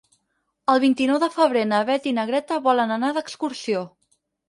El vint-i-nou de febrer na Beth i na Greta volen anar d'excursió.